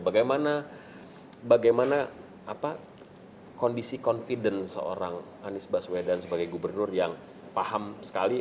bagaimana kondisi confident seorang anies baswedan sebagai gubernur yang paham sekali